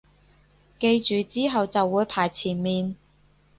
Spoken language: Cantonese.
記住之後就會排前面